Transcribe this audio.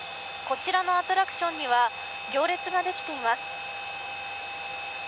こちらのアトラクションには行列ができています。